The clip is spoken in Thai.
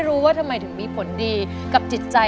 รู้สึกดีมั้ยค่ะ